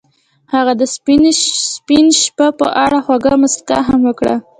هغې د سپین شپه په اړه خوږه موسکا هم وکړه.